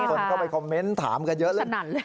คนเข้าไปคอมเมนต์ถามกันเยอะเลย